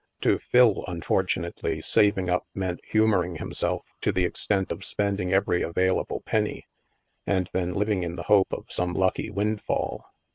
To Phil, unfortunately, " saving up " meant hu moring himself to the extent of spending every avail able penny, and then living in the hope of some lucky windfall.